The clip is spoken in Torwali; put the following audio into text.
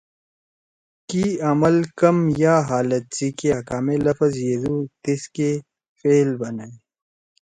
کی عمل کم یا حالت سی کیا کامے لفظ یدُودا تیس کی فعل بنَدی۔